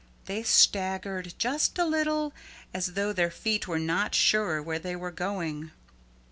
They staggered just a little as though their feet were not sure where they were going.